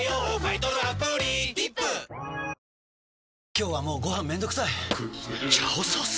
今日はもうご飯めんどくさい「炒ソース」！？